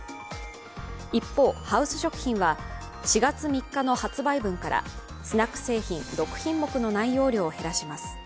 一方、ハウス食品は４月３日の発売分からスナック製品６品目の内容量を減らします。